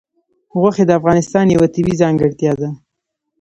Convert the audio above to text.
غوښې د افغانستان یوه طبیعي ځانګړتیا ده.